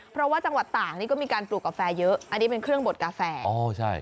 เพราะว่าจังหวัดต่างนี่ก็มีการปลูกกาแฟเยอะอันนี้เป็นเครื่องบดกาแฟอ๋อใช่